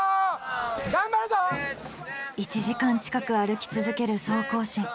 １時間近く歩き続ける総行進。